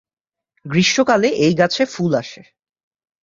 গ্রীষ্মকালে এই গাছে ফুল আসে।